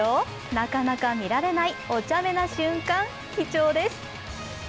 なかなか見られないおちゃめな瞬間、貴重です。